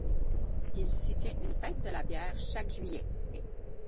Il s'y tient une fête de la bière chaque juillet.